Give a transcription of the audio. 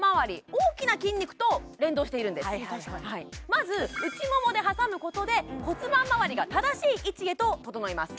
まず内ももで挟むことで骨盤まわりが正しい位置へと整います